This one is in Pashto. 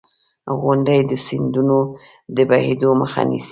• غونډۍ د سیندونو د بهېدو مخه نیسي.